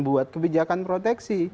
buat kebijakan proteksi